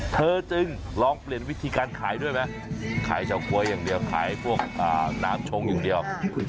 เธอจึงลองเปลี่ยนวิธีการขายด้วยไหมขายเฉาก๊วยอย่างเดียวขายพวกน้ำชงอย่างเดียว